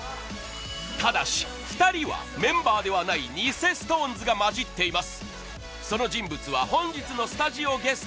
ただし２人はメンバーではない偽ＳｉｘＴＯＮＥＳが混じっています